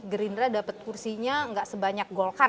gerindra dapet kursinya gak sebanyak golkar